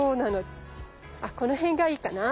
あこの辺がいいかな？